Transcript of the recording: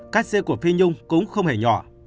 cắt xe của phi nhung cũng không hề nhỏ